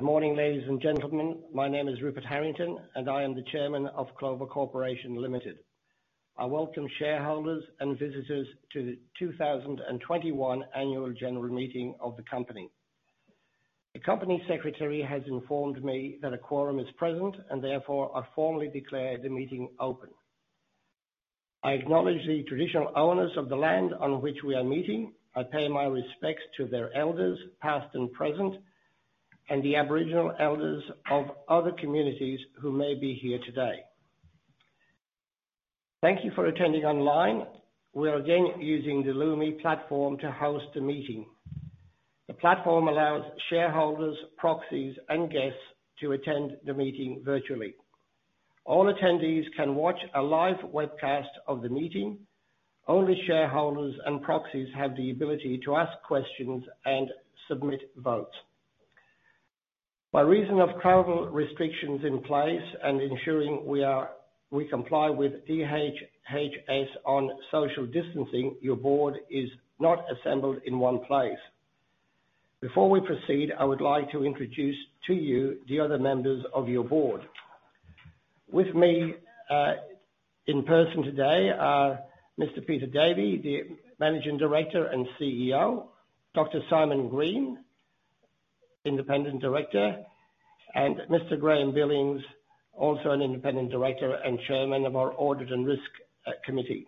Good morning, ladies and gentlemen. My name is Rupert Harrington, and I am the Chairman of Clover Corporation Limited. I welcome shareholders and visitors to the 2021 annual general meeting of the company. The company secretary has informed me that a quorum is present, and therefore I formally declare the meeting open. I acknowledge the traditional owners of the land on which we are meeting. I pay my respects to their elders, past and present, and the Aboriginal elders of other communities who may be here today. Thank you for attending online. We are again using the Lumi platform to host the meeting. The platform allows shareholders, proxies and guests to attend the meeting virtually. All attendees can watch a live webcast of the meeting. Only shareholders and proxies have the ability to ask questions and submit votes. By reason of travel restrictions in place and ensuring we comply with DHHS on social distancing, your board is not assembled in one place. Before we proceed, I would like to introduce to you the other members of your board. With me in person today are Mr. Peter Davey, the Managing Director and CEO, Dr. Simon Green, Independent Director, and Mr. Graeme Billings, also an Independent Director and Chairman of our Audit and Risk Committee.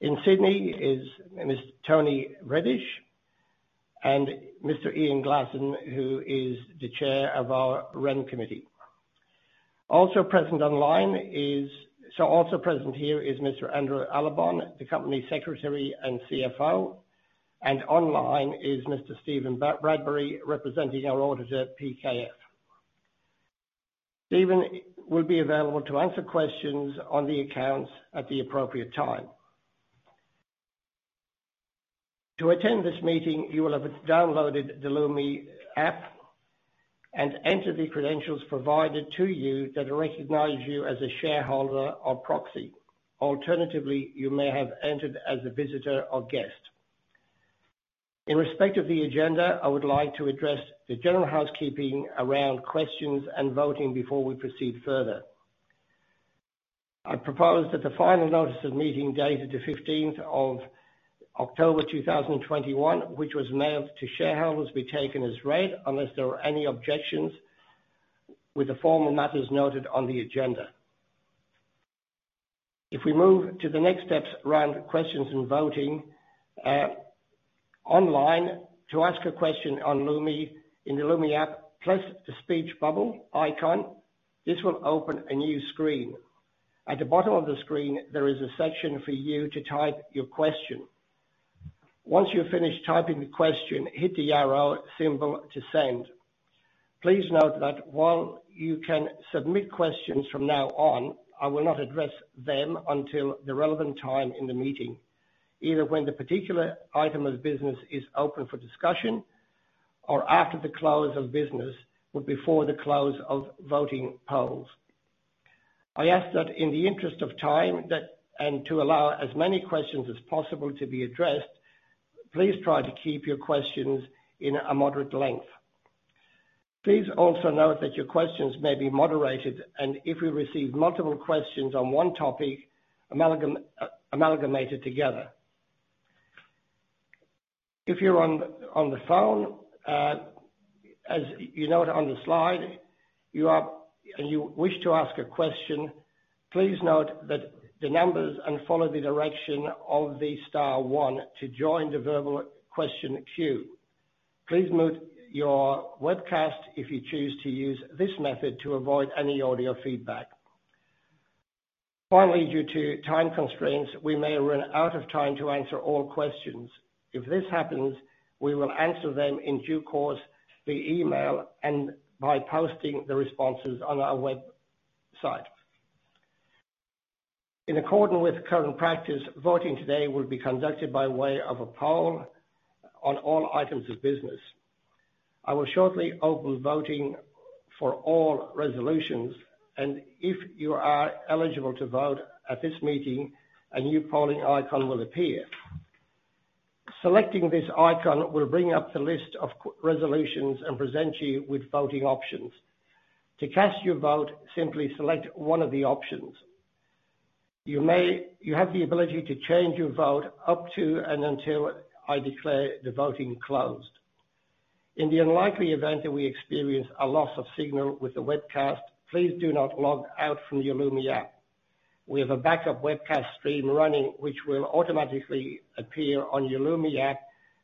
In Sydney is Ms. Toni Reddish and Mr. Ian Glasson, who is the Chair of our People & Culture Committee. Also present here is Mr. Andrew Allibon, the Company Secretary and CFO. Online is Mr. Steven Bradbury, representing our auditor, PKF. Steven will be available to answer questions on the accounts at the appropriate time. To attend this meeting, you will have downloaded the Lumi app and entered the credentials provided to you that recognize you as a shareholder or proxy. Alternatively, you may have entered as a visitor or guest. In respect of the agenda, I would like to address the general housekeeping around questions and voting before we proceed further. I propose that the final notice of meeting dated 15th of October 2021, which was mailed to shareholders, be taken as read unless there are any objections with the formal matters noted on the agenda. If we move to the next steps around questions and voting online. To ask a question on Lumi, in the Lumi app, press the speech bubble icon. This will open a new screen. At the bottom of the screen, there is a section for you to type your question. Once you're finished typing the question, hit the arrow symbol to send. Please note that while you can submit questions from now on, I will not address them until the relevant time in the meeting, either when the particular item of business is open for discussion or after the close of business, but before the close of voting polls. I ask that in the interest of time, and to allow as many questions as possible to be addressed, please try to keep your questions in a moderate length. Please also note that your questions may be moderated, and if we receive multiple questions on one topic, amalgamated together. If you're on the phone, as you note on the slide, and you wish to ask a question, please press star one to join the verbal question queue. Please mute your webcast if you choose to use this method to avoid any audio feedback. Finally, due to time constraints, we may run out of time to answer all questions. If this happens, we will answer them in due course via email and by posting the responses on our website. In accordance with current practice, voting today will be conducted by way of a poll on all items of business. I will shortly open voting for all resolutions, and if you are eligible to vote at this meeting, a new polling icon will appear. Selecting this icon will bring up the list of resolutions and present you with voting options. To cast your vote, simply select one of the options. You have the ability to change your vote up to and until I declare the voting closed. In the unlikely event that we experience a loss of signal with the webcast, please do not log out from your Lumi app. We have a backup webcast stream running, which will automatically appear on your Lumi app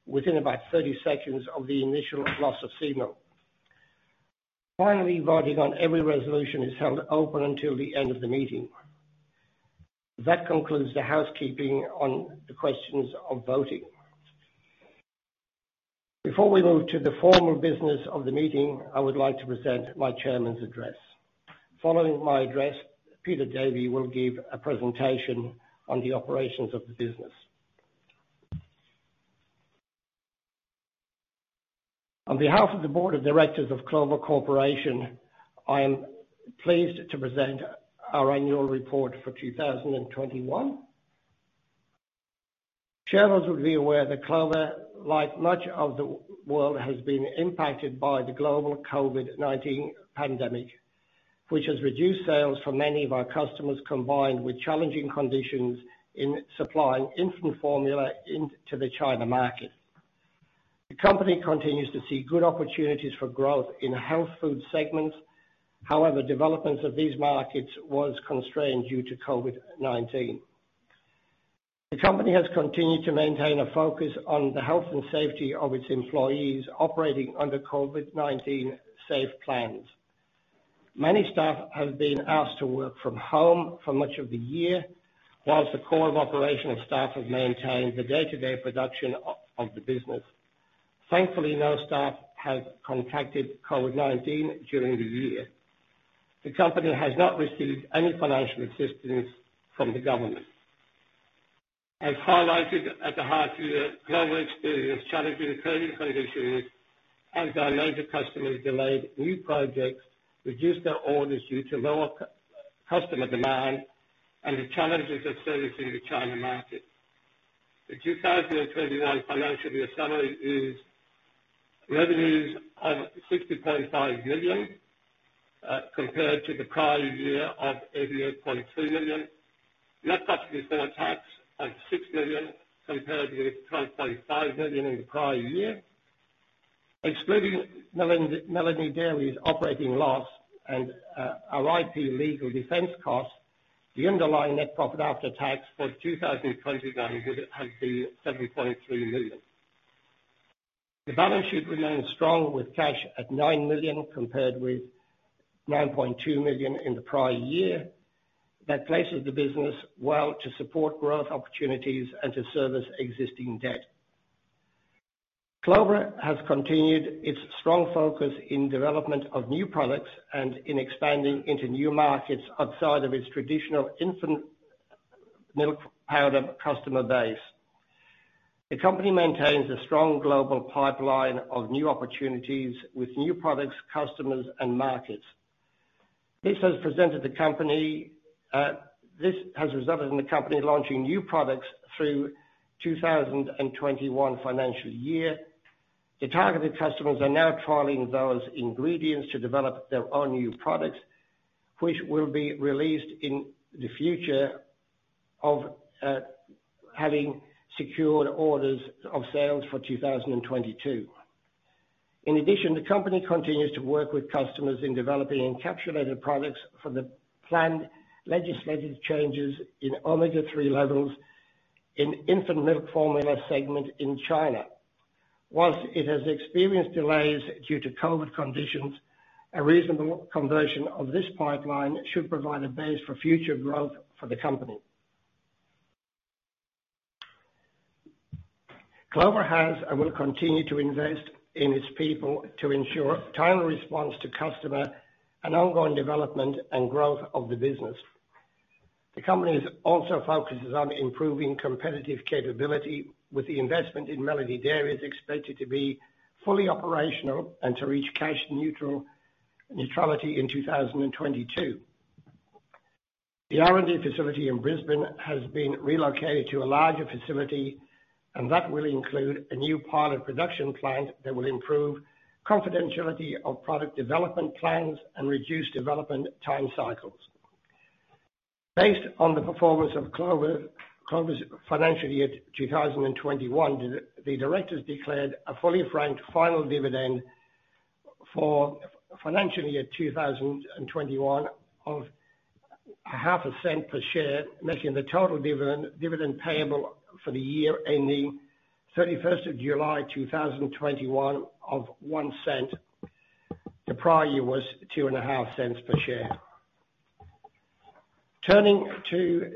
within about 30 seconds of the initial loss of signal. Finally, voting on every resolution is held open until the end of the meeting. That concludes the housekeeping on the questions of voting. Before we move to the formal business of the meeting, I would like to present my Chairman's address. Following my address, Peter Davey will give a presentation on the operations of the business. On behalf of the Board of Directors of Clover Corporation, I am pleased to present our annual report for 2021. Shareholders will be aware that Clover, like much of the world, has been impacted by the global COVID-19 pandemic, which has reduced sales for many of our customers, combined with challenging conditions in supplying infant formula into the China market. The company continues to see good opportunities for growth in health food segments. However, developments of these markets was constrained due to COVID-19. The company has continued to maintain a focus on the health and safety of its employees operating under COVID-19 safe plans. Many staff have been asked to work from home for much of the year, while the core of operational staff have maintained the day-to-day production of the business. Thankfully, no staff have contracted COVID-19 during the year. The company has not received any financial assistance from the government. As highlighted, at the half year, Clover experienced challenging trading conditions as our major customers delayed new projects, reduced their orders due to lower customer demand and the challenges of servicing the China market. The 2021 financial year summary is revenues of 65 million compared to the prior year of 88.2 million. Net profit before tax of 6 million compared with 25 million in the prior year. Excluding Melody Dairies's operating loss and our IP legal defense costs, the underlying net profit after tax for 2021 would have been 73 million. The balance sheet remains strong with cash at 9 million, compared with 9.2 million in the prior year. That places the business well to support growth opportunities and to service existing debt. Clover has continued its strong focus in development of new products and in expanding into new markets outside of its traditional infant milk powder customer base. The company maintains a strong global pipeline of new opportunities with new products, customers and markets. This has resulted in the company launching new products through 2021 financial year. The targeted customers are now trialing those ingredients to develop their own new products, which will be released in the future, having secured orders of sales for 2022. In addition, the company continues to work with customers in developing encapsulated products for the planned legislative changes in Omega-3 levels in infant milk formula segment in China. While it has experienced delays due to COVID conditions, a reasonable conversion of this pipeline should provide a base for future growth for the company. Clover has and will continue to invest in its people to ensure timely response to customer and ongoing development and growth of the business. The company also focuses on improving competitive capability with the investment in Melody Dairies is expected to be fully operational and to reach cash neutrality in 2022. The R&D facility in Brisbane has been relocated to a larger facility, and that will include a new pilot production plant that will improve confidentiality of product development plans and reduce development time cycles. Based on the performance of Clover's financial year 2021, the directors declared a fully franked final dividend for financial year 2021 of half a cent per share, making the total dividend payable for the year ending 31st of July 2021 of 0.1. The prior year was 0.25 per share. Turning to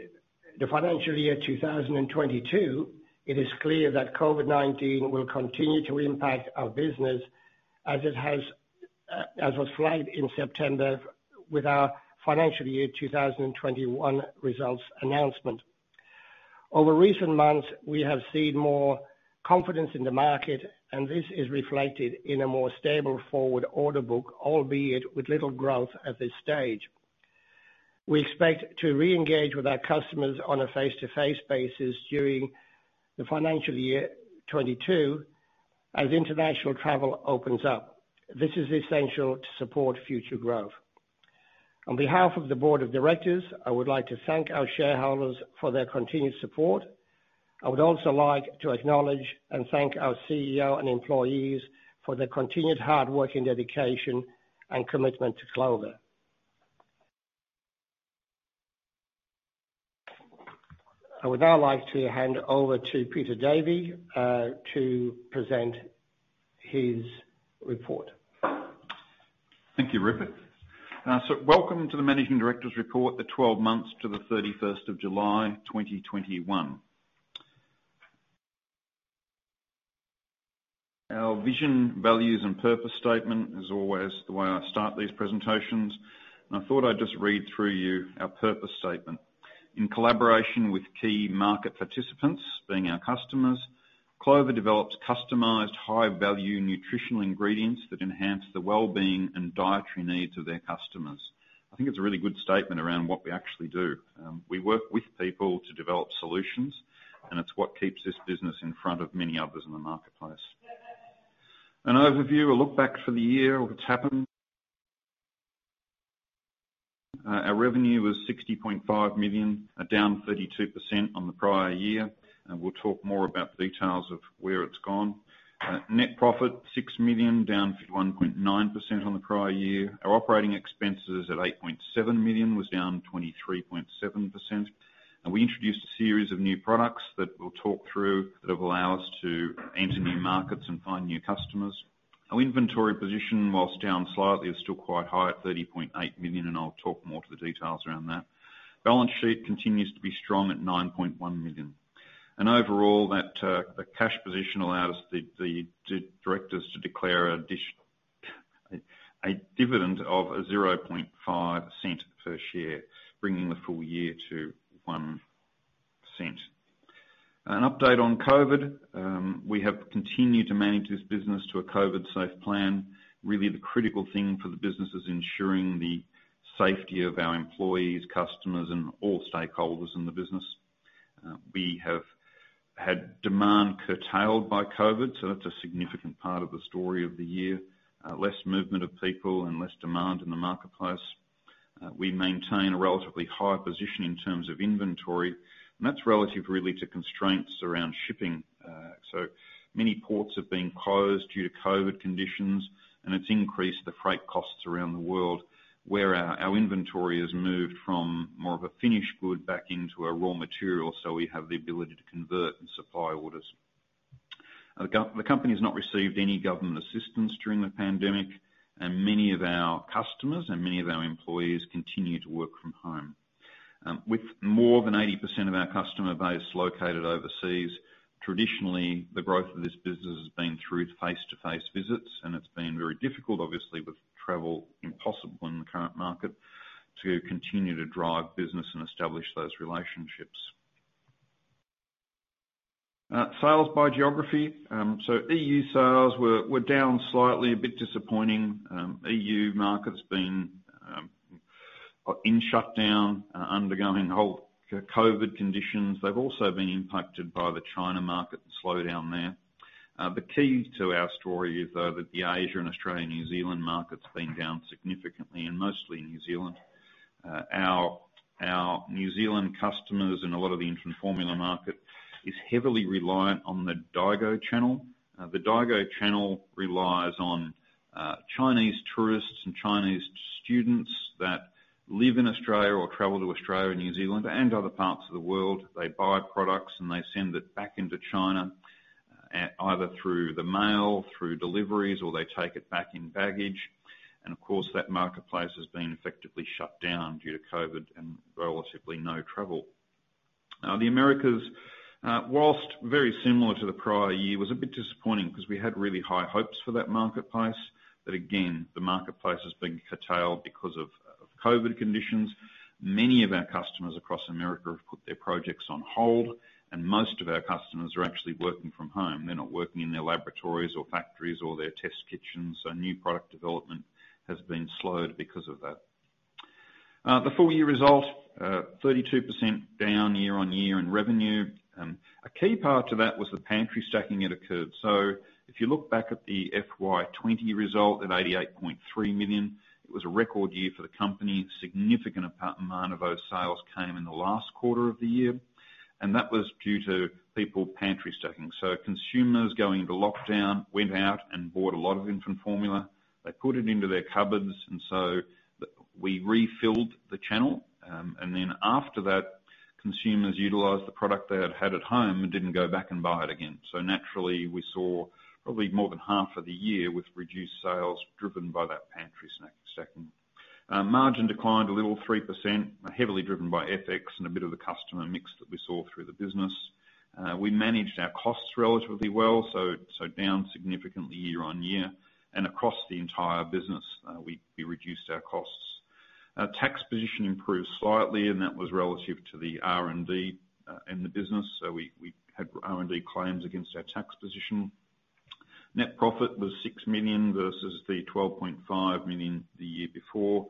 the financial year 2022, it is clear that COVID-19 will continue to impact our business as it has, as outlined in September with our financial year 2021 results announcement. Over recent months, we have seen more confidence in the market and this is reflected in a more stable forward order book, albeit with little growth at this stage. We expect to re-engage with our customers on a face-to-face basis during the financial year 2022 as international travel opens up. This is essential to support future growth. On behalf of the board of directors, I would like to thank our shareholders for their continued support. I would also like to acknowledge and thank our CEO and employees for their continued hard work and dedication and commitment to Clover. I would now like to hand over to Peter Davey to present his report. Thank you, Rupert. Welcome to the Managing Director's report for the 12 months to 31st July 2021. Our vision, values and purpose statement is always the way I start these presentations, and I thought I'd just read through to you our purpose statement. In collaboration with key market participants being our customers, Clover develops customized high value nutritional ingredients that enhance the well-being and dietary needs of their customers. I think it's a really good statement around what we actually do. We work with people to develop solutions, and it's what keeps this business in front of many others in the marketplace. An overview, a look back for the year of what's happened. Our revenue was 60.5 million, down 32% on the prior year, and we'll talk more about the details of where it's gone. Net profit 6 million, down 31.9% on the prior year. Our operating expenses at 8.7 million was down 23.7%. We introduced a series of new products that we'll talk through that have allowed us to enter new markets and find new customers. Our inventory position, whilst down slightly, is still quite high at 30.8 million, and I'll talk more to the details around that. Balance sheet continues to be strong at 9.1 million. Overall that, the cash position allowed us the directors to declare a dividend of 0.005 per share, bringing the full year to 0.01. An update on COVID. We have continued to manage this business to a COVID safe plan. Really, the critical thing for the business is ensuring the safety of our employees, customers, and all stakeholders in the business. We have had demand curtailed by COVID, so that's a significant part of the story of the year. Less movement of people and less demand in the marketplace. We maintain a relatively high position in terms of inventory, and that's relative really to constraints around shipping. So many ports have been closed due to COVID conditions, and it's increased the freight costs around the world, where our inventory has moved from more of a finished good back into a raw material, so we have the ability to convert and supply orders. The company's not received any government assistance during the pandemic, and many of our customers and many of our employees continue to work from home. With more than 80% of our customer base located overseas, traditionally, the growth of this business has been through face-to-face visits, and it's been very difficult, obviously, with travel impossible in the current market to continue to drive business and establish those relationships. Sales by geography. E.U. sales were down slightly, a bit disappointing. E.U. market's been in shutdown, undergoing COVID conditions. They've also been impacted by the China market slowdown there. The key to our story is, though, that the Asia and Australia/New Zealand market's been down significantly and mostly in New Zealand. Our New Zealand customers and a lot of the infant formula market is heavily reliant on the Daigou channel. The Daigou channel relies on Chinese tourists and Chinese students that live in Australia or travel to Australia and New Zealand and other parts of the world. They buy products, and they send it back into China, either through the mail, through deliveries, or they take it back in baggage. Of course, that marketplace has been effectively shut down due to COVID and relatively no travel. The Americas, while very similar to the prior year, was a bit disappointing because we had really high hopes for that marketplace. Again, the marketplace has been curtailed because of COVID conditions. Many of our customers across America have put their projects on hold, and most of our customers are actually working from home. They're not working in their laboratories or factories or their test kitchens, so new product development has been slowed because of that. The full year result 32% down year-on-year in revenue. A key part to that was the pantry stacking that occurred. If you look back at the FY 2020 result at 88.3 million, it was a record year for the company. A significant amount of those sales came in the last quarter of the year, and that was due to people pantry stacking. Consumers going into lockdown went out and bought a lot of infant formula. They put it into their cupboards, and we refilled the channel. Then after that, consumers utilized the product they had had at home and didn't go back and buy it again. Naturally, we saw probably more than half of the year with reduced sales driven by that pantry stacking. Margin declined a little, 3%, heavily driven by FX and a bit of the customer mix that we saw through the business. We managed our costs relatively well, so down significantly year-on-year. Across the entire business, we reduced our costs. Our tax position improved slightly, and that was relative to the R&D in the business. We had R&D claims against our tax position. Net profit was 6 million versus 12.5 million the year before.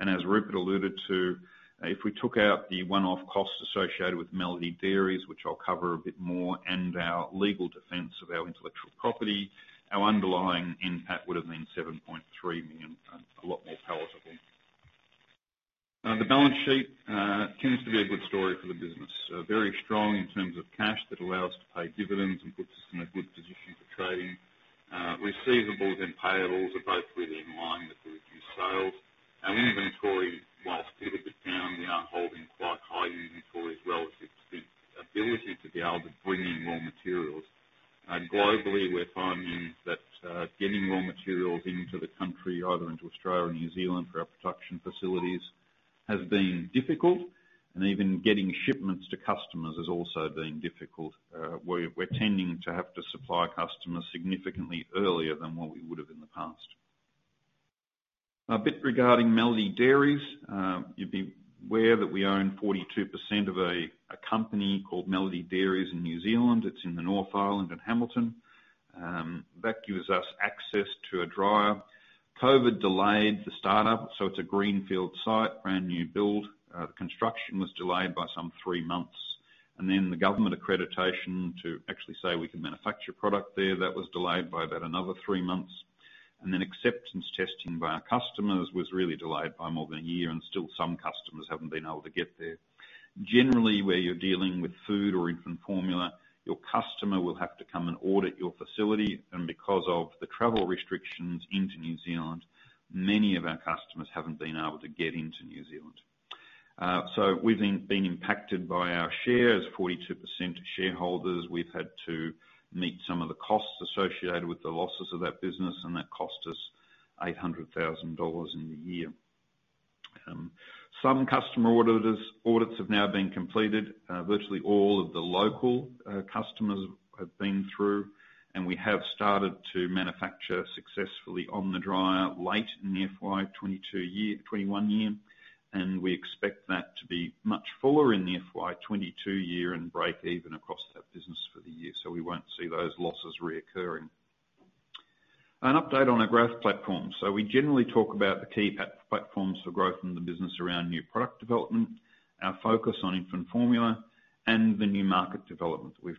As Rupert alluded to, if we took out the one-off costs associated with Melody Dairies, which I'll cover a bit more, and our legal defense of our intellectual property, our underlying NPAT would've been 7.3 million, a lot more palatable. The balance sheet continues to be a good story for the business. Very strong in terms of cash that allow us to pay dividends and puts us in a good position for trading. Receivables and payables are both really in line with the reduced sales. Our inventory, while a little bit down, we are holding quite high inventories relative to the ability to be able to bring in raw materials. Globally, we're finding that getting raw materials into the country, either into Australia or New Zealand for our production facilities, has been difficult. Even getting shipments to customers has also been difficult. We're tending to have to supply customers significantly earlier than what we would've in the past. A bit regarding Melody Dairies. You'd be aware that we own 42% of a company called Melody Dairies in New Zealand. It's in the North Island in Hamilton. That gives us access to a dryer. COVID delayed the startup. It's a greenfield site, brand new build. The construction was delayed by some three months, and then the government accreditation to actually say we can manufacture product there, that was delayed by about another three months. Then acceptance testing by our customers was really delayed by more than a year, and still some customers haven't been able to get there. Generally, where you're dealing with food or infant formula, your customer will have to come and audit your facility, and because of the travel restrictions into New Zealand, many of our customers haven't been able to get into New Zealand. We've been impacted by our shares. 42% of shareholders, we've had to meet some of the costs associated with the losses of that business, and that cost us 800,000 dollars in the year. Some customer audits have now been completed. Virtually all of the local customers have been through, and we have started to manufacture successfully on the dryer late in the FY 2021 year. We expect that to be much fuller in the FY 2022 year and break even across that business for the year. We won't see those losses recurring. An update on our growth platform. We generally talk about the key platforms for growth in the business around new product development, our focus on infant formula, and the new market development we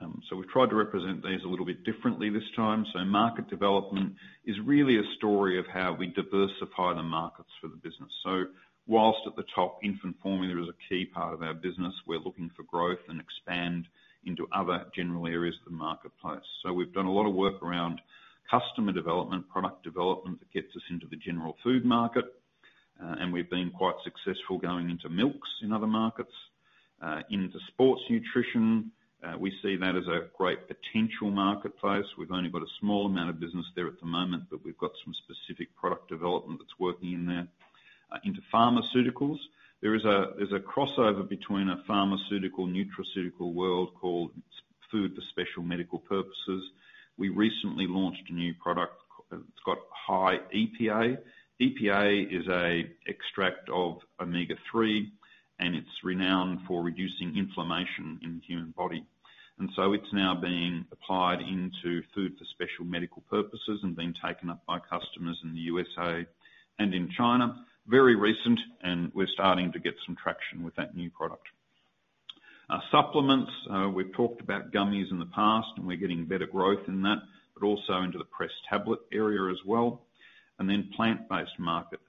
do. We've tried to represent these a little bit differently this time. Market development is really a story of how we diversify the markets for the business. While at the top, infant formula is a key part of our business, we're looking for growth and expand into other general areas of the marketplace. We've done a lot of work around customer development, product development that gets us into the general food market, and we've been quite successful going into milks in other markets, into sports nutrition. We see that as a great potential marketplace. We've only got a small amount of business there at the moment, but we've got some specific product development that's working in there. Into pharmaceuticals, there's a crossover between a pharmaceutical/nutraceutical world called Food for Special Medical Purposes. We recently launched a new product. It's got high EPA. EPA is an extract of Omega-3, and it's renowned for reducing inflammation in the human body. It's now being applied into Food for Special Medical Purposes and being taken up by customers in the U.S. and in China. Very recent. We're starting to get some traction with that new product. Our supplements, we've talked about gummies in the past, and we're getting better growth in that, but also into the pressed tablet area as well. Plant-based market.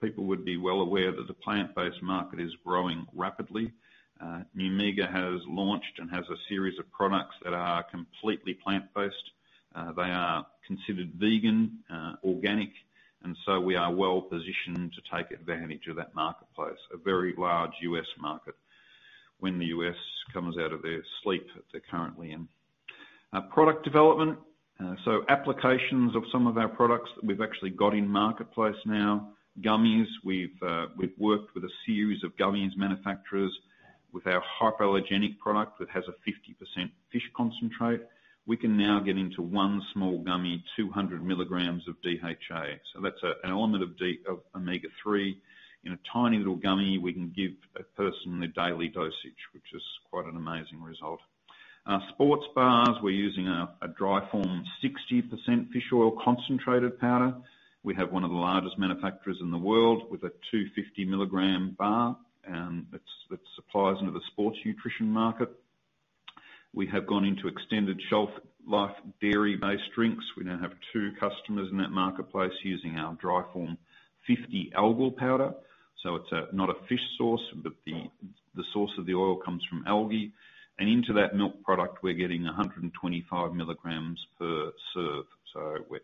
People would be well aware that the plant-based market is growing rapidly. Nu-Mega has launched and has a series of products that are completely plant-based. They are considered vegan, organic, and so we are well positioned to take advantage of that marketplace, a very large U.S. market when the U.S. comes out of their sleep that they're currently in. Our product development. Applications of some of our products that we've actually got in marketplace now. Gummies, we've worked with a series of gummies manufacturers with our hypoallergenic product that has a 50% fish concentrate. We can now get into one small gummy, 200 mg of DHA. That's an element of DHA of Omega-3. In a tiny little gummy, we can give a person their daily dosage, which is quite an amazing result. Our sports bars, we're using a dry form, 60% fish oil concentrated powder. We have one of the largest manufacturers in the world with a 250 mg bar, and that's that supplies into the sports nutrition market. We have gone into extended shelf life dairy-based drinks. We now have two customers in that marketplace using our dry form 50 algal powder. It's not a fish source, but the source of the oil comes from algae. Into that milk product, we're getting 125 mg per serve.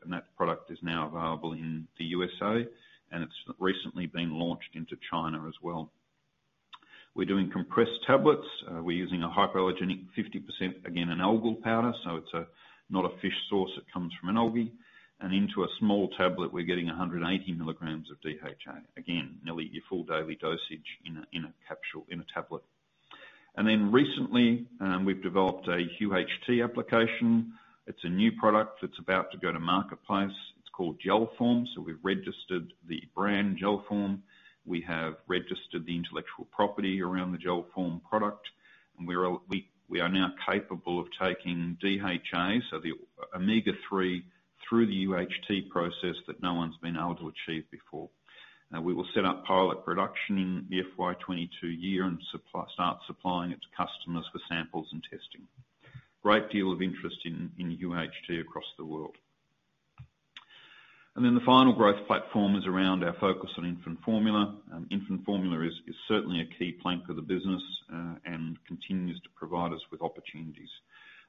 That product is now available in the U.S.A., and it's recently been launched into China as well. We're doing compressed tablets. We're using a hypoallergenic 50%, again, an algal powder, so it's not a fish source. It comes from an algae. Into a small tablet, we're getting 180 mg of DHA. Again, nearly your full daily dosage in a capsule, in a tablet. Recently, we've developed a UHT application. It's a new product that's about to go to marketplace. It's called Gelphorm. We've registered the brand Gelphorm. We have registered the intellectual property around the Gelphorm product, and we are now capable of taking DHA, so the Omega-3 through the UHT process that no one's been able to achieve before. We will set up pilot production in the FY 2022 year and start supplying it to customers for samples and testing. Great deal of interest in UHT across the world. The final growth platform is around our focus on infant formula. Infant formula is certainly a key plank of the business and continues to provide us with opportunities,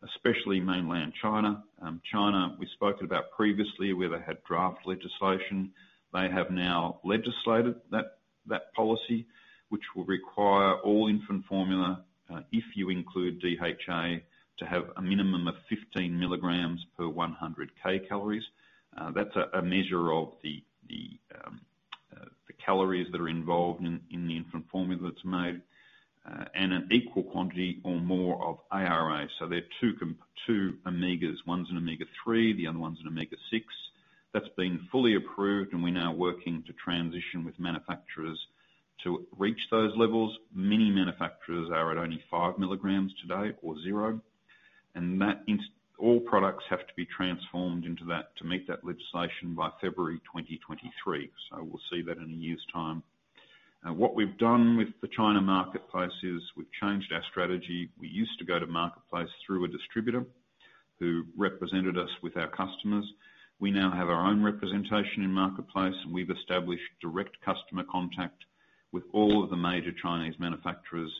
especially mainland China. China, we spoke about previously where they had draft legislation. They have now legislated that policy, which will require all infant formula, if you include DHA, to have a minimum of 15 mg per 100 kcal. That's a measure of the calories that are involved in the infant formula that's made and an equal quantity or more of ARA. There are two omegas. One's an Omega-3, the other one's an omega-6. That's been fully approved, and we're now working to transition with manufacturers to reach those levels. Many manufacturers are at only 5 mg today or zero. All products have to be transformed into that to meet that legislation by February 2023. We'll see that in a year's time. What we've done with the China marketplace is we've changed our strategy. We used to go to marketplace through a distributor who represented us with our customers. We now have our own representation in marketplace, and we've established direct customer contact with all of the major Chinese manufacturers,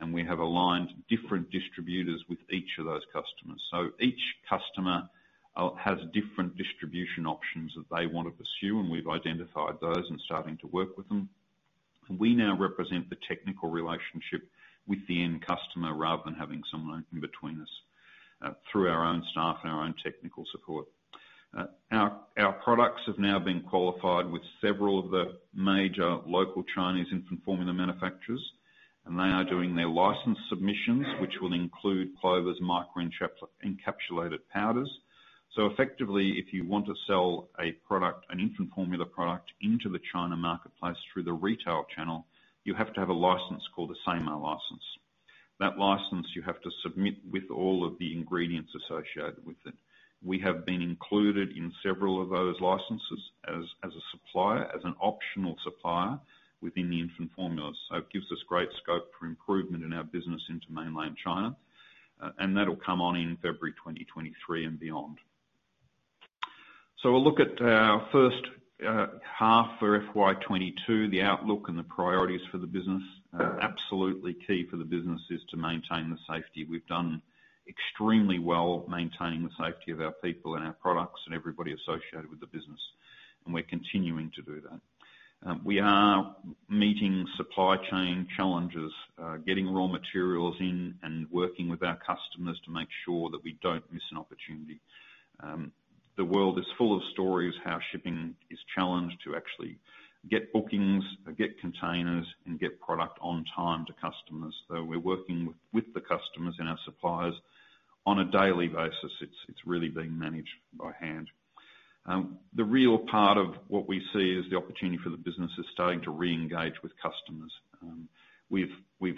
and we have aligned different distributors with each of those customers. Each customer has different distribution options that they want to pursue, and we've identified those and starting to work with them. We now represent the technical relationship with the end customer rather than having someone in between us through our own staff and our own technical support. Our products have now been qualified with several of the major local Chinese infant formula manufacturers, and they are doing their license submissions, which will include Clover's micro-encapsulated powders. Effectively, if you want to sell a product, an infant formula product into the China marketplace through the retail channel, you have to have a license called a SAMR license. That license you have to submit with all of the ingredients associated with it. We have been included in several of those licenses as a supplier, as an optional supplier within the infant formula. It gives us great scope for improvement in our business into Mainland China. And that'll come on in February 2023 and beyond. We'll look at our first half for FY 2022, the outlook and the priorities for the business. Absolutely key for the business is to maintain the safety. We've done extremely well maintaining the safety of our people and our products and everybody associated with the business, and we're continuing to do that. We are meeting supply chain challenges, getting raw materials in and working with our customers to make sure that we don't miss an opportunity. The world is full of stories how shipping is challenged to actually get bookings or get containers and get product on time to customers. We're working with the customers and our suppliers on a daily basis. It's really being managed by hand. The real part of what we see is the opportunity for the business is starting to re-engage with customers. We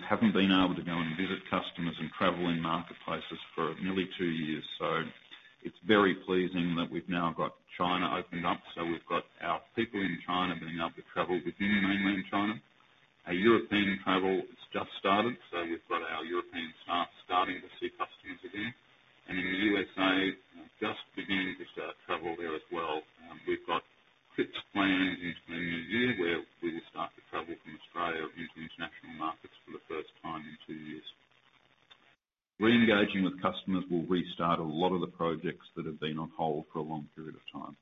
haven't been able to go and visit customers and travel in marketplaces for nearly two years, it's very pleasing that we've now got China opened up. We've got our people in China being able to travel within Mainland China. Our European travel has just started, so we've got our European staff starting to see customers again. In the U.S.A., just beginning to start travel there as well. We've got trips planned into the new year where we will start to travel from Australia into international markets for the first time in two years. Re-engaging with customers will restart a lot of the projects that have been on hold for a long period of time.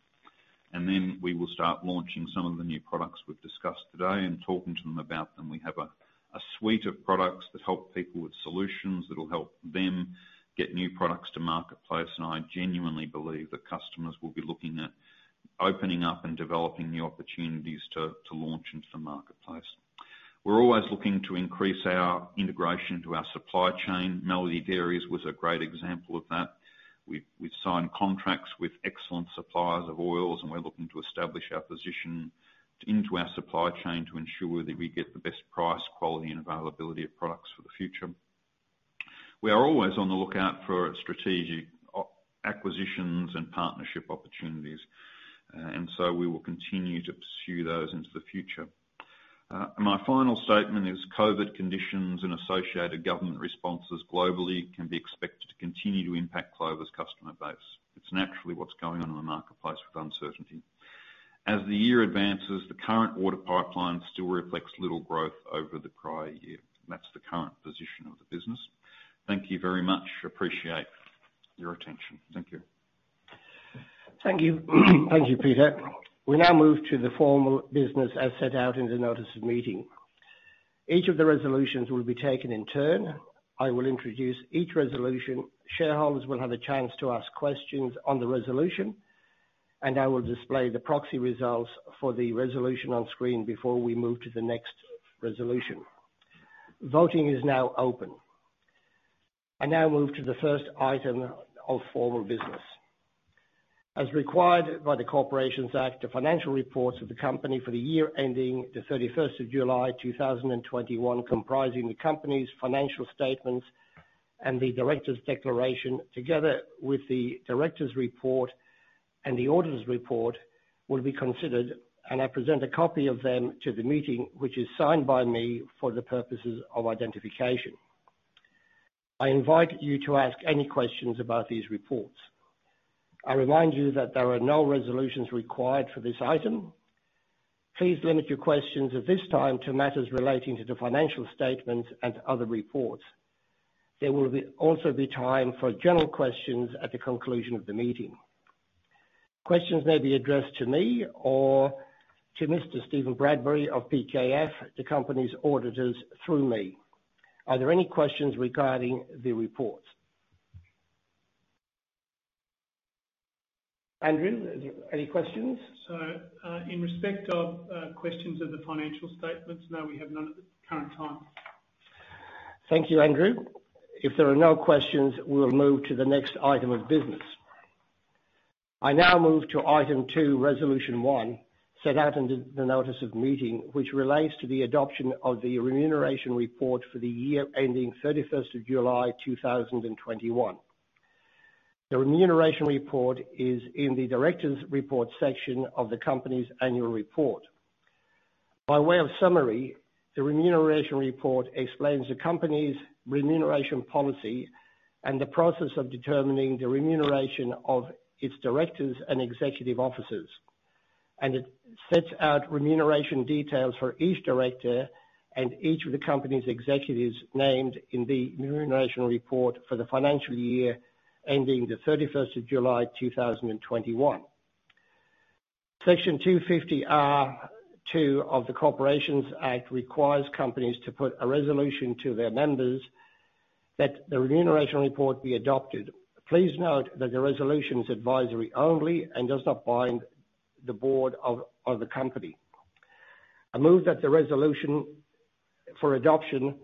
We will start launching some of the new products we've discussed today and talking to them about them. We have a suite of products that help people with solutions that will help them get new products to marketplace, and I genuinely believe that customers will be looking at opening up and developing new opportunities to launch into the marketplace. We're always looking to increase our integration to our supply chain. Melody Dairies was a great example of that. We've signed contracts with excellent suppliers of oils, and we're looking to establish our position into our supply chain to ensure that we get the best price, quality, and availability of products for the future. We are always on the lookout for strategic acquisitions and partnership opportunities, and so we will continue to pursue those into the future. My final statement is COVID conditions and associated government responses globally can be expected to continue to impact Clover's customer base. It's naturally what's going on in the marketplace with uncertainty. As the year advances, the current order pipeline still reflects little growth over the prior year. That's the current position of the business. Thank you very much. Appreciate your attention. Thank you. Thank you. Thank you, Peter. We now move to the formal business as set out in the notice of meeting. Each of the resolutions will be taken in turn. I will introduce each resolution. Shareholders will have a chance to ask questions on the resolution, and I will display the proxy results for the resolution on screen before we move to the next resolution. Voting is now open. I now move to the first item of formal business. As required by the Corporations Act, the financial reports of the company for the year ending the 31st of July 2021, comprising the company's financial statements and the directors' declaration, together with the directors' report and the auditors' report, will be considered, and I present a copy of them to the meeting, which is signed by me for the purposes of identification. I invite you to ask any questions about these reports. I remind you that there are no resolutions required for this item. Please limit your questions at this time to matters relating to the financial statements and other reports. There will also be time for general questions at the conclusion of the meeting. Questions may be addressed to me or to Mr. Steven Bradbury of PKF, the company's auditors, through me. Are there any questions regarding the report? Mr. Andrew Allibon, is there any questions? In respect of questions of the financial statements, no, we have none at the current time. Thank you, Andrew. If there are no questions, we will move to the next item of business. I now move to item 2, resolution 1, set out in the notice of meeting, which relates to the adoption of the remuneration report for the year ending 31st of July 2021. The remuneration report is in the directors' report section of the company's annual report. By way of summary, the remuneration report explains the company's remuneration policy and the process of determining the remuneration of its directors and executive officers. It sets out remuneration details for each director and each of the company's executives named in the remuneration report for the financial year ending the 31st of July 2021. Section 250R(2) of the Corporations Act requires companies to put a resolution to their members that the remuneration report be adopted. Please note that the resolution is advisory only and does not bind the board of the company. I move that the resolution for adoption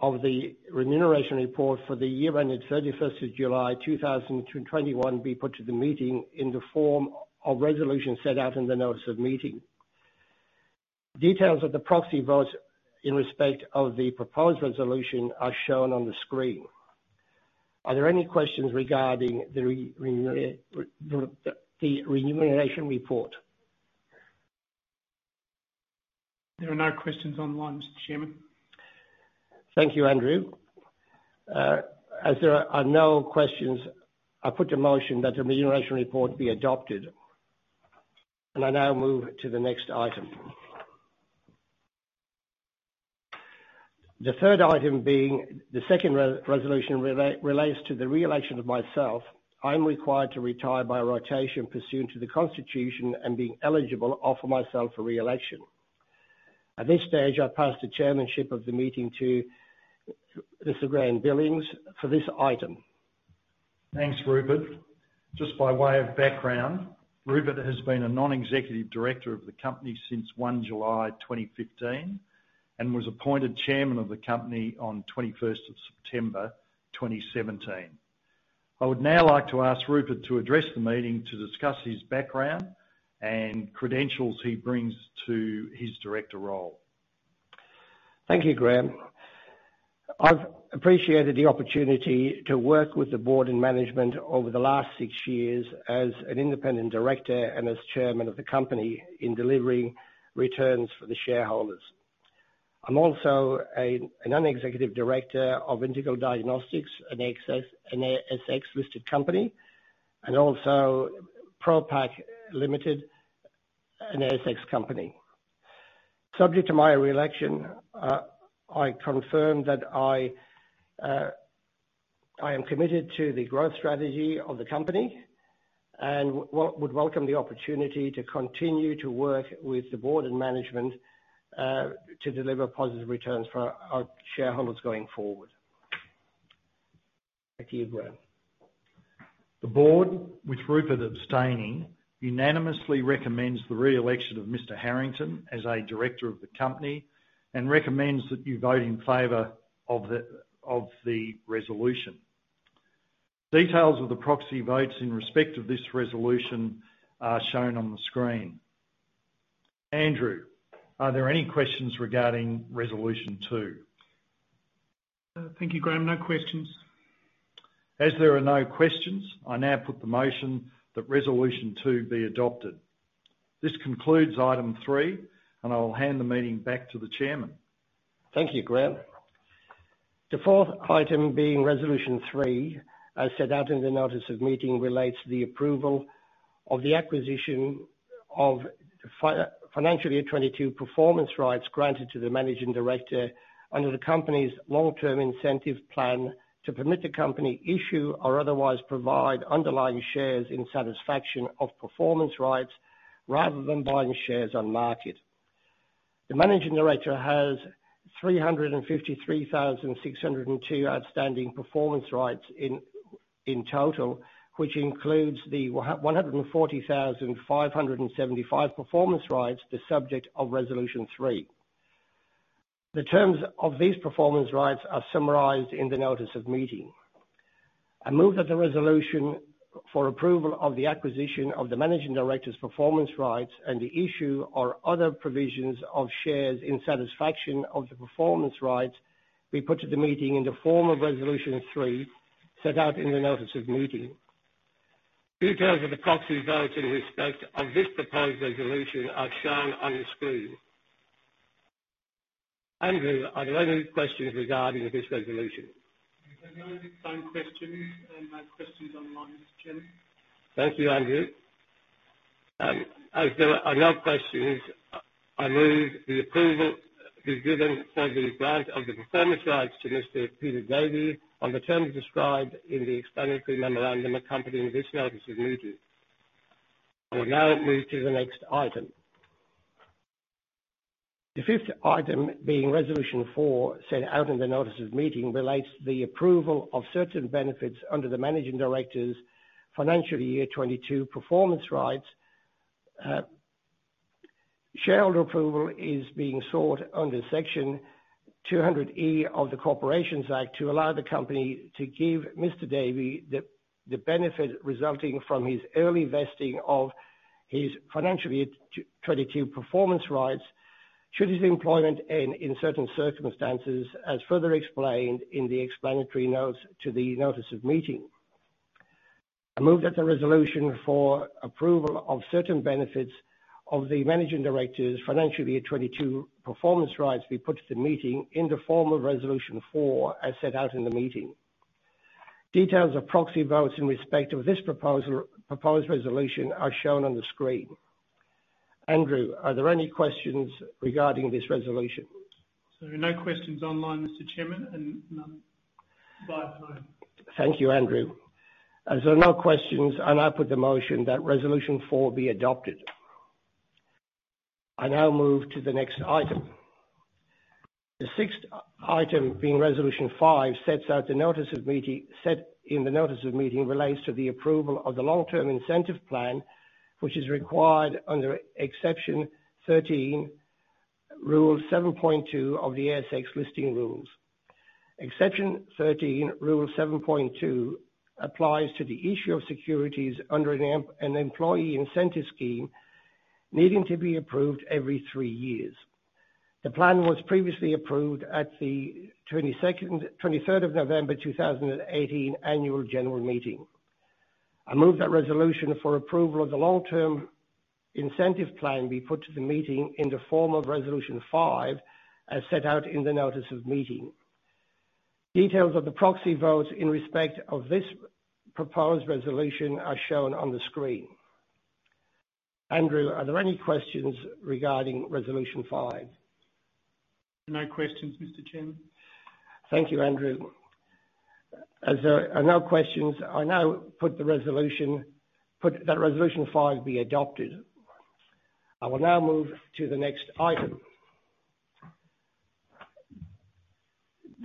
of the remuneration report for the year ended 31st July 2021 be put to the meeting in the form of resolution set out in the notice of meeting. Details of the proxy votes in respect of the proposed resolution are shown on the screen. Are there any questions regarding the remuneration report? There are no questions online, Mr. Chairman. Thank you, Andrew. As there are no questions, I put the motion that the remuneration report be adopted. I now move to the next item. The third item being the second resolution relates to the reelection of myself. I am required to retire by rotation pursuant to the constitution and being eligible, offer myself for reelection. At this stage, I pass the chairmanship of the meeting to Mr. Graeme Billings for this item. Thanks, Rupert. Just by way of background, Rupert has been a Non-Executive Director of the company since 1 July 2015 and was appointed Chairman of the company on 21st September 2017. I would now like to ask Rupert to address the meeting to discuss his background and credentials he brings to his director role. Thank you, Graeme. I've appreciated the opportunity to work with the board and management over the last six years as an independent director and as chairman of the company in delivering returns for the shareholders. I'm also a non-executive director of Integral Diagnostics, an ASX-listed company, and also Pro-Pac Limited, an ASX company. Subject to my reelection, I confirm that I am committed to the growth strategy of the company and would welcome the opportunity to continue to work with the board and management to deliver positive returns for our shareholders going forward. Back to you, Graeme. The board, with Rupert abstaining, unanimously recommends the reelection of Mr. Harrington as a director of the company and recommends that you vote in favor of the resolution. Details of the proxy votes in respect of this resolution are shown on the screen. Andrew, are there any questions regarding resolution two? Thank you, Graeme. No questions. As there are no questions, I now put the motion that resolution two be adopted. This concludes item three, and I will hand the meeting back to the Chairman. Thank you, Graeme. The fourth item being resolution three, as set out in the notice of meeting, relates to the approval of the acquisition of FY 2022 performance rights granted to the managing director under the company's long-term incentive plan to permit the company issue or otherwise provide underlying shares in satisfaction of performance rights rather than buying shares on market. The managing director has 353,602 outstanding performance rights in total, which includes the 140,575 performance rights, the subject of resolution three. The terms of these performance rights are summarized in the notice of meeting. I move that the resolution for approval of the acquisition of the Managing Director's performance rights and the issue or other provisions of shares in satisfaction of the performance rights be put to the meeting in the form of Resolution 3, set out in the Notice of Meeting. Details of the proxy votes in respect of this proposed resolution are shown on the screen. Andrew, are there any questions regarding this resolution? There are no phone questions. No questions online, Mr. Chairman. Thank you, Andrew. As there are no questions, I move the approval be given for the grant of the performance rights to Mr. Peter Davey on the terms described in the explanatory memorandum accompanying this notice of meeting. I will now move to the next item. The fifth item being Resolution 4 set out in the notice of meeting relates to the approval of certain benefits under the Managing Director's financial year 2022 performance rights. Shareholder approval is being sought under Section 200E of the Corporations Act to allow the company to give Mr. Davey the benefit resulting from his early vesting of his financial year 2022 performance rights should his employment end in certain circumstances, as further explained in the explanatory notes to the notice of meeting. I move that the resolution for approval of certain benefits of the Managing Director's financial year 22 performance rights be put to the meeting in the form of resolution 4, as set out in the meeting. Details of proxy votes in respect of this proposed resolution are shown on the screen. Andrew, are there any questions regarding this resolution? No questions online, Mr. Chairman, and none by phone. Thank you, Andrew. As there are no questions, I now put the motion that resolution 4 be adopted. I now move to the next item. The sixth item being resolution 5, as set out in the notice of meeting, relates to the approval of the long-term incentive plan, which is required under Exception 13, Rule 7.2 of the ASX Listing Rules. Exception 13, Rule 7.2 applies to the issue of securities under an employee incentive scheme needing to be approved every three years. The plan was previously approved at the 22nd, 23rd of November 2018 annual general meeting. I move that resolution for approval of the long-term incentive plan be put to the meeting in the form of resolution 5, as set out in the notice of meeting. Details of the proxy votes in respect of this proposed resolution are shown on the screen. Andrew, are there any questions regarding Resolution 5? No questions, Mr. Chairman. Thank you, Andrew. As there are no questions, I now put that Resolution 5 be adopted. I will now move to the next item.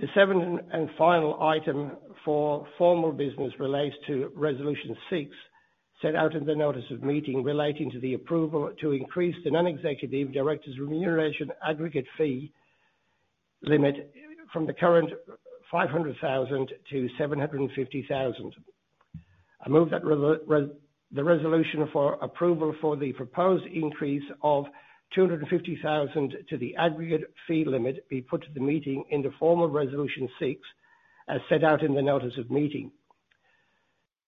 The seventh and final item for formal business relates to Resolution 6, set out in the notice of meeting relating to the approval to increase the non-executive director's remuneration aggregate fee limit from the current 500,000 to 750,000. I move that the resolution for approval for the proposed increase of 250,000 to the aggregate fee limit be put to the meeting in the form of Resolution 6, as set out in the notice of meeting.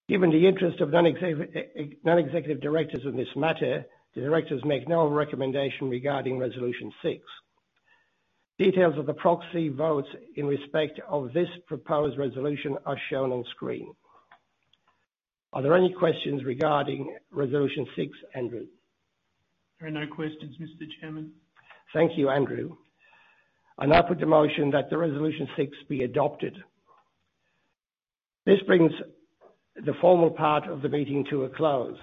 Given the interest of non-executive directors in this matter, the directors make no recommendation regarding Resolution 6. Details of the proxy votes in respect of this proposed resolution are shown on screen. Are there any questions regarding Resolution 6, Andrew? There are no questions, Mr. Chairman. Thank you, Andrew. I now put the motion that the resolution 6 be adopted. This brings the formal part of the meeting to a close.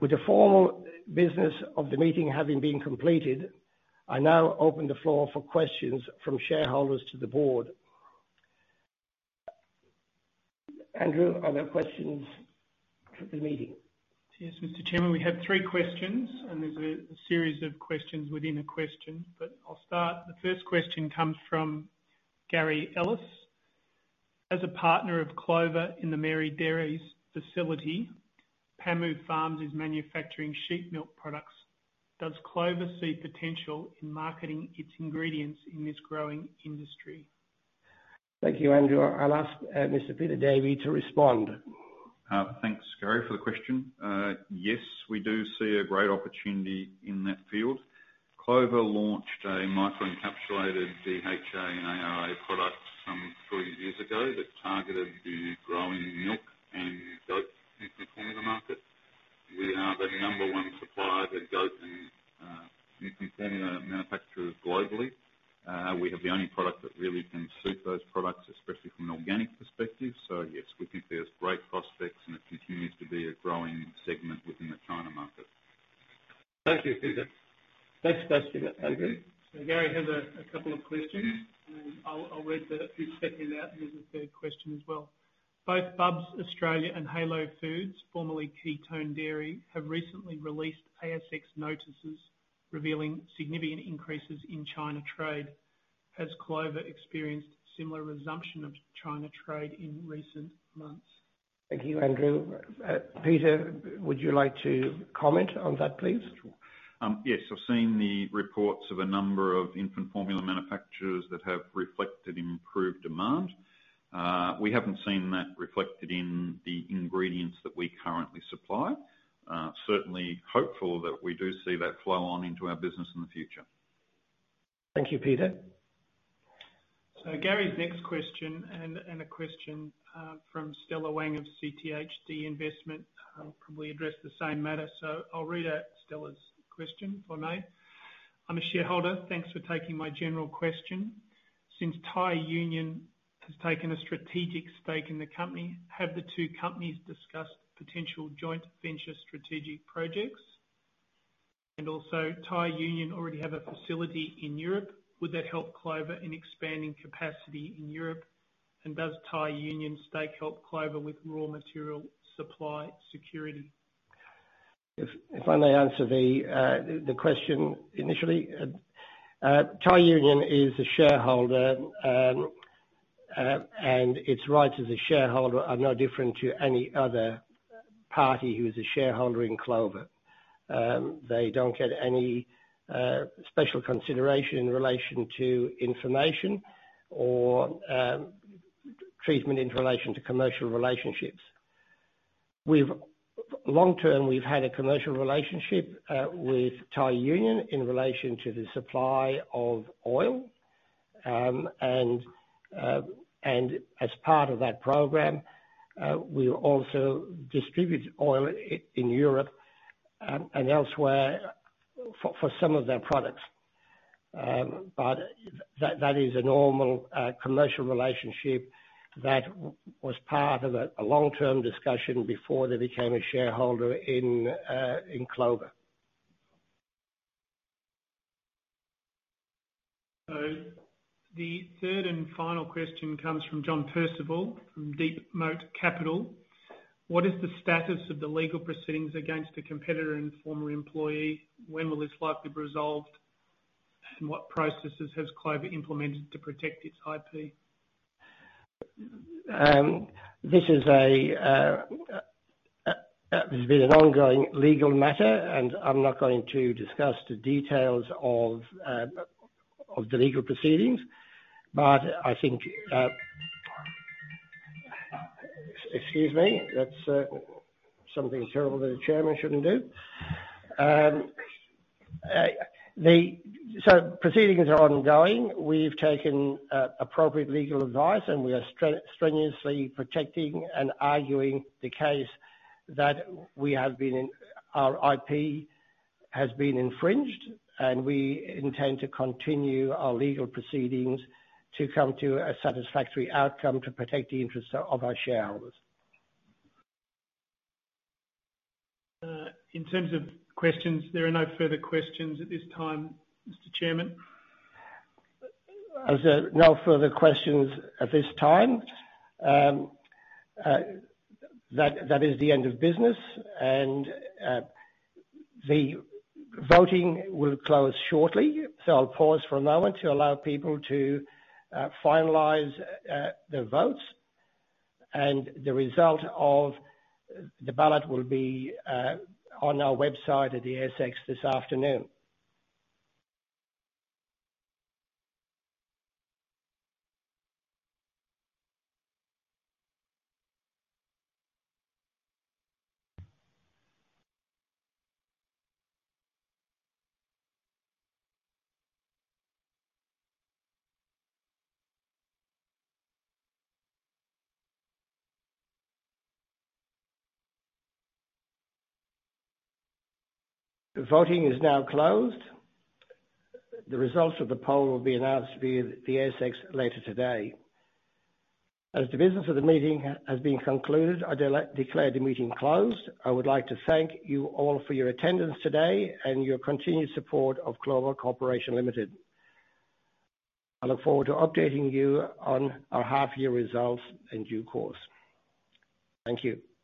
With the formal business of the meeting having been completed, I now open the floor for questions from shareholders to the board. Andrew, are there questions for the meeting? Yes, Mr. Chairman, we have three questions and there's a series of questions within a question, but I'll start. The first question comes from Gary Ellis. As a partner of Clover in the Melody Dairies facility, Pāmu Farms is manufacturing sheep milk products. Does Clover see potential in marketing its ingredients in this growing industry? Thank you, Andrew. I'll ask Mr. Peter Davey to respond. Thanks, Gary, for the question. Yes, we do see a great opportunity in that field. Clover launched a microencapsulated DHA and ARA product some three years ago that targeted the growing milk and goat infant formula market. We are the number one supplier to goat and infant formula manufacturers globally. We have the only product that really can suit those products, especially from an organic perspective. Yes, we think there's great prospects, and it continues to be a growing segment within the China market. Thank you, Peter. Next question, Andrew. Gary has a couple of questions. I'll read the, he's set it out. There's a third question as well. Both Bubs Australia and Halo Foods, formerly Keytone Dairy, have recently released ASX notices revealing significant increases in China trade. Has Clover experienced similar resumption of China trade in recent months? Thank you, Andrew. Peter, would you like to comment on that, please? Sure. Yes. I've seen the reports of a number of infant formula manufacturers that have reflected improved demand. We haven't seen that reflected in the ingredients that we currently supply. Certainly hopeful that we do see that flow on into our business in the future. Thank you, Peter. Gary's next question and a question from Stella Wang of CTHD Investment will probably address the same matter. I'll read out Stella's question, if I may. I'm a shareholder. Thanks for taking my general question. Since Thai Union has taken a strategic stake in the company, have the two companies discussed potential joint venture strategic projects? And also Thai Union already have a facility in Europe. Would that help Clover in expanding capacity in Europe? And does Thai Union stake help Clover with raw material supply security? I may answer the question initially. Thai Union is a shareholder, and its rights as a shareholder are no different to any other party who is a shareholder in Clover. They don't get any special consideration in relation to information or treatment in relation to commercial relationships. Long term, we've had a commercial relationship with Thai Union in relation to the supply of oil. As part of that program, we also distribute oil in Europe and elsewhere for some of their products. That is a normal commercial relationship that was part of a long-term discussion before they became a shareholder in Clover. The third and final question comes from John Percival from Deep Moat Capital. What is the status of the legal proceedings against a competitor and former employee? When will this likely be resolved? What processes has Clover implemented to protect its IP? This has been an ongoing legal matter, and I'm not going to discuss the details of the legal proceedings. I think. Excuse me, that's something terrible that a chairman shouldn't do. Proceedings are ongoing. We've taken appropriate legal advice, and we are strenuously protecting and arguing the case that our IP has been infringed, and we intend to continue our legal proceedings to come to a satisfactory outcome to protect the interests of our shareholders. In terms of questions, there are no further questions at this time, Mr. Chairman. As there are no further questions at this time, that is the end of business, and the voting will close shortly. I'll pause for a moment to allow people to finalize their votes. The result of the ballot will be on our website at the ASX this afternoon. The voting is now closed. The results of the poll will be announced via the ASX later today. As the business of the meeting has been concluded, I declare the meeting closed. I would like to thank you all for your attendance today and your continued support of Clover Corporation Limited. I look forward to updating you on our half-year results in due course. Thank you.